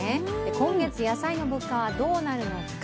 今月、野菜の物価はどうなるのか。